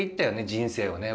人生をね